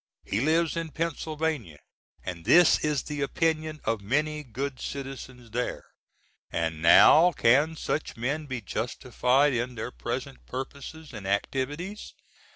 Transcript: _ He lives in Penna. & this is the opinion of many good citizens there. And now can such men be justified in their present purposes and activities?